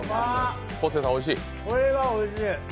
これはおいしい。